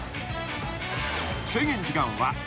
［制限時間は５分］